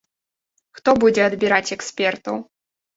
Хто будзе адбіраць экспертаў?